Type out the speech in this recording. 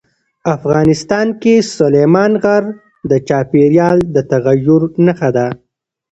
افغانستان کې سلیمان غر د چاپېریال د تغیر نښه ده.